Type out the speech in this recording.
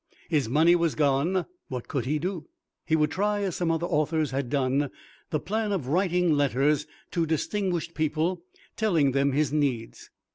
His money was gone. What could he do? He would try, as some other authors had done, the plan of writing letters to distinguished people, telling them his needs.